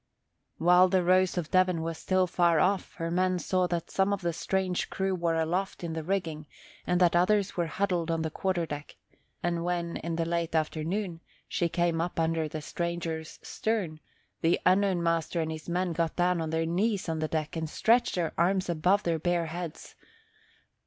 While the Rose of Devon was still far off, her men saw that some of the strange crew were aloft in the rigging and that others were huddled on the quarter deck; and when, in the late afternoon, she came up under the stranger's stern, the unknown master and his men got down on their knees on the deck and stretched their arms above their bare heads.